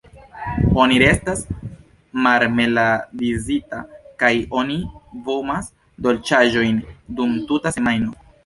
Oni restas marmeladizita kaj oni vomas dolĉaĵojn dum tuta semajno.